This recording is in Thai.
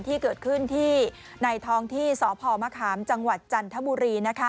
ที่เกิดขึ้นที่ในท้องที่สพมะขามจังหวัดจันทบุรี